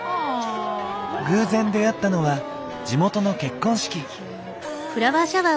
偶然出合ったのは地元の結婚式。